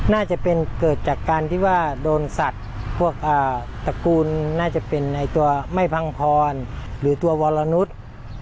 น่าจะเป็นเกิดจากการที่ว่าโดนสัตว์พวกตระกูลน่าจะเป็นในตัวไม่พังพรหรือตัววรนุษย์